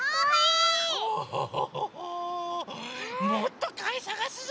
もっとかいさがすぞ！